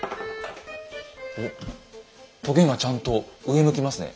おっとげがちゃんと上向きますね。